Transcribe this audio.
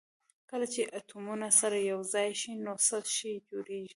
کله چې اتومونه سره یو ځای شي نو څه شی جوړوي